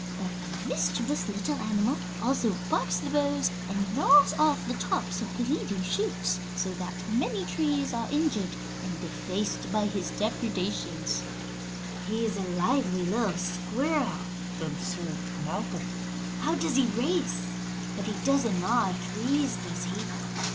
But the mischievous little animal also barks the boughs and gnaws off the tops of the leading shoots, so that many trees are injured and defaced by his depredations." [Illustration: AMERICAN WHITE SPRUCE.] "He is a lively little squirrel," observed Malcolm. "How he does race! But he doesn't gnaw our trees, does he?"